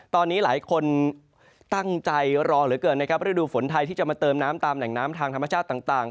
ตอนนี้หลายคนตั้งใจรอเหลือเกินนะครับฤดูฝนไทยที่จะมาเติมน้ำตามแหล่งน้ำทางธรรมชาติต่าง